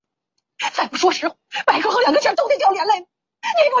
明清延之。